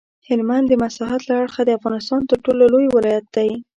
هلمند د مساحت له اړخه د افغانستان تر ټولو لوی ولایت دی.